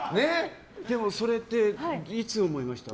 でも、それっていつ思いました？